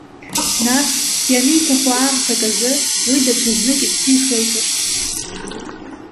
Нас, ианиҭаху аамҭак азы, уи даҽазнык иԥсы ихеиҵашт.